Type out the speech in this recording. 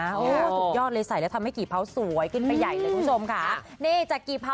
สุดยอดเลยใส่แล้วทำให้กี่เผาสวยขึ้นไปใหญ่เลยคุณผู้ชมค่ะ